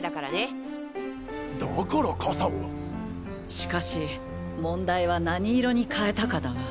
しかし問題は何色に変えたかだが。